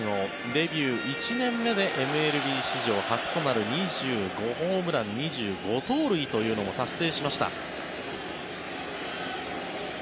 デビュー１年目でＭＬＢ史上初となる２５ホームラン、２５盗塁というのも達成しました。